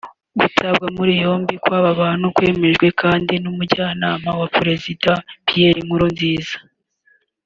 Gutabwa muri yombi kw’aba bantu kwemejwe kandi n’Umujyanama wa Perezida Pierre Nkurunziza